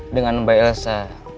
dengan mbak elsa